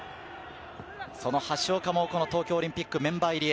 その橋岡もこの東京オリンピックメンバー入りへ。